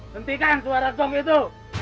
hentikan suara gong itu